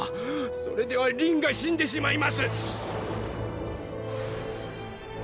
それではりんが死んでしまいます。